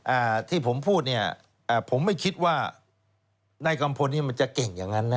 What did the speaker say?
อ่าที่ผมพูดเนี่ยอ่าผมไม่คิดว่านายกัมพลนี้มันจะเก่งอย่างนั้นนะ